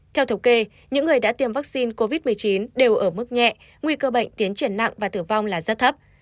theo thống kê những người đã tiêm vaccine covid một mươi chín đều ở mức nhẹ nguy cơ bệnh tiến triển nặng và tử vong là rất thấp